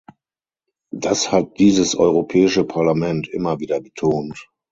Das hat dieses Europäische Parlament immer wieder betont.